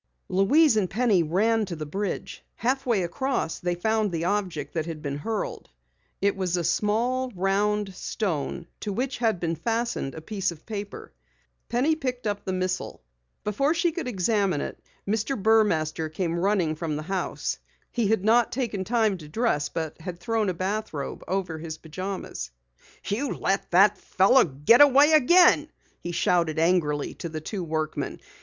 Louise and Penny ran to the bridge. Half way across they found the object that had been hurled. It was a small, round stone to which had been fastened a piece of paper. Penny picked up the missile. Before she could examine it, Mr. Burmaster came running from the house. He had not taken time to dress, but had thrown a bathrobe over his pajamas. "You let that fellow get away again!" he shouted angrily to the two workmen.